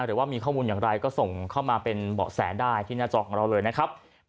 หรือว่ามีข้อมูลอย่างไรก็ส่งเข้ามาเป็นเบาะแสได้ที่หน้าจอของเราเลยนะครับ